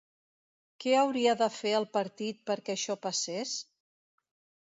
Què hauria de fer el partit perquè això passés?